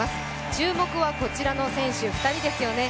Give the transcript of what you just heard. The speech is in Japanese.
注目はこちらの選手２人ですよね。